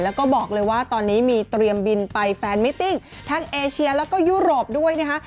แล้วก็บอกเลยว่าตอนนี้มีเตรียมบินไปแฟนมิติ้งทั้งเอเชียแล้วก็ยุโรปด้วยนะคะ